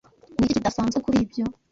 Ni iki kidasanzwe kuri ibyo?